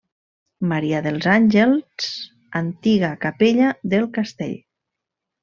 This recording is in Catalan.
Maria dels Àngels, antiga capella del castell.